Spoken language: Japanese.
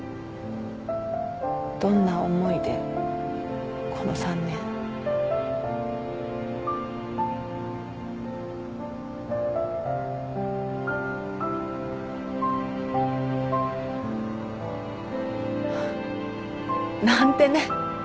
どんな思いでこの３年。なんてね。